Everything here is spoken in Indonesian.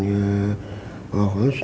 belum ajan kum